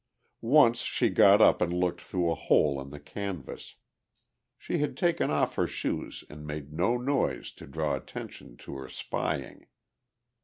Once she got up and looked through a hole in the canvas; she had taken off her shoes and made no noise to draw attention to her spying.